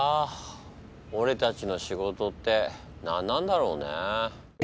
俺たちの仕事って何なんだろうね。